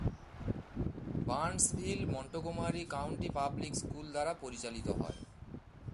Barnesville Montgomery County public school দ্বারা পরিচালিত হয়।